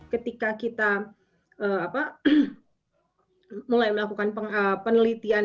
ketika kita mulai melakukan penelitian